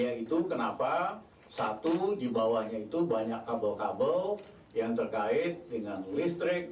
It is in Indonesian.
yaitu kenapa satu di bawahnya itu banyak kabel kabel yang terkait dengan listrik